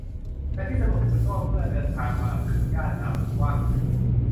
แต่ที่สนุกที่สุดก็เมื่อเดินทางมาถึงย่านน้ำอันกว้างใหญ่